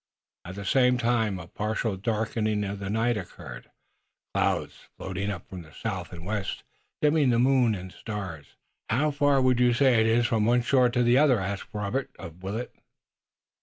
At the same time, a partial darkening of the night occurred, clouds floating up from the south and west, and dimming the moon and stars. "How far would you say it is from one shore to the other?" asked Robert of Willet.